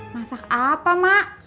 masak apa mak